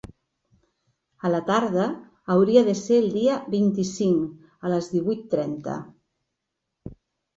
A la tarda hauria de ser el dia vint-i-cinc a les divuit trenta.